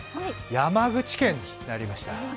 山口県になりました。